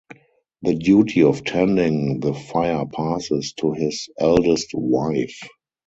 The duty of tending the fire passes to his eldest wife.